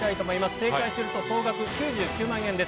正解すると総額９９万円です。